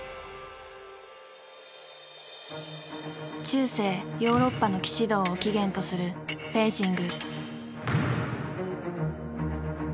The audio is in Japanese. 中世ヨーロッパの騎士道を起源とするフェンシング。